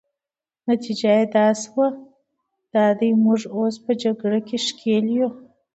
نتیجه يې دا شوه، دا دی موږ اوس په جګړه کې ښکېل یو.